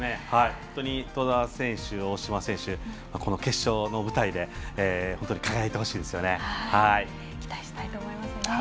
本当に兎澤選手、大島選手決勝の舞台で期待したいと思います。